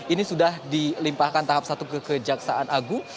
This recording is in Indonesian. ini sudah dilimpahkan tahap satu ke kejaksaan agung